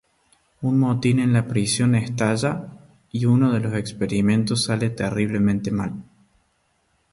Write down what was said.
Un motín en la prisión estalla y uno de los experimentos sale terriblemente mal.